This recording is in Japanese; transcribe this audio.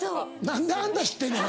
何であんた知ってんねん？